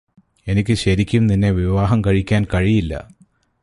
എനിക്ക് ശരിക്കും നിന്നെ വിവാഹം കഴിക്കാൻ കഴിയില്ല